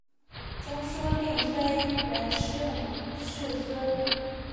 中书令崔仁师五世孙。